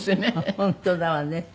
本当だわね。